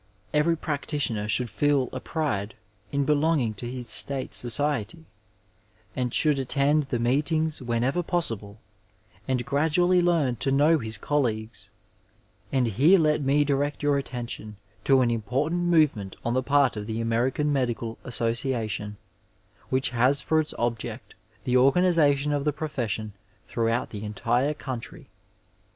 Every practitioner should feel a pride in belonging to his state society, and should attend the meetings whenever possible, and gradually learn to 860 Digitized by Google OF THE MEDICAL SOCIETY know his oolleagueB, and here let me direct yoor attention to an important movement on the part of the American Medical Assooiatioiif which has for its object the organiza tion of the profession throughout the entire country.